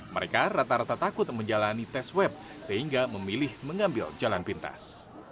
mereka rata rata takut menjalani tes web sehingga memilih mengambil jalan pintas